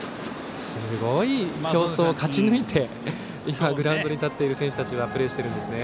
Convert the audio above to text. すごい競争を勝ち抜いて、今グラウンドに立っている選手たちはプレーしているんですね。